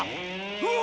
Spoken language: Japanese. うわ！